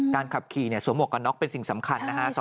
การขับขี่สวมหมวกกันน๊อกเป็นสิ่งสำคัญนะครับ